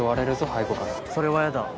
背後からそれはやだ